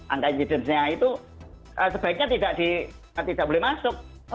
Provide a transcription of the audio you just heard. angka insidence nya itu sebaiknya tidak boleh masuk